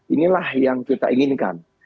inilah yang kita inginkan